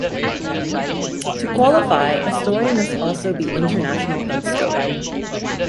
To qualify, a story must also be international in scope.